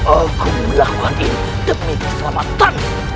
aku melakukan ini demi diselamatkanmu